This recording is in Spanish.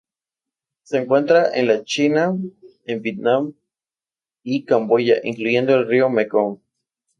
Se encuentra en la China, el Vietnam y Camboya, incluyendo el río Mekong.